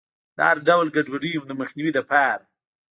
د هر ډول ګډوډیو د مخنیوي لپاره.